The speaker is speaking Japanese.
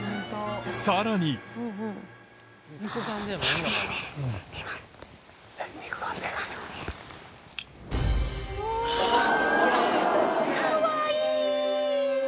さらにかわいい！